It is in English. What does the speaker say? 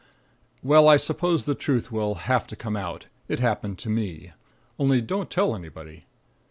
Well, I suppose the truth will have to come out. It happened to me. Only don't tell anybody.